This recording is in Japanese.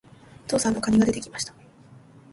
お父さんの蟹が出て来ました。